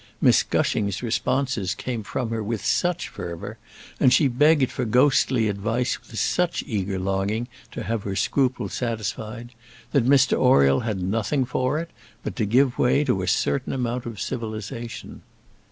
Miss Gushing's responses came from her with such fervour, and she begged for ghostly advice with such eager longing to have her scruples satisfied, that Mr Oriel had nothing for it but to give way to a certain amount of civilisation.